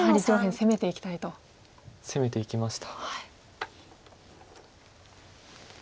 攻めていきました。